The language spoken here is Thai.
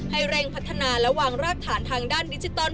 ให้เร่งพัฒนาและวางรากฐานทางด้านดิจิตอล